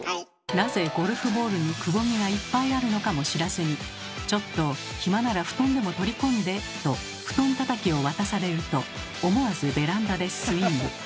なぜゴルフボールにくぼみがいっぱいあるのかも知らずに「ちょっと暇なら布団でも取り込んで」と布団たたきを渡されると思わずベランダでスイング。